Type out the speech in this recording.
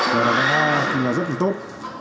và nó cũng là rất là tốt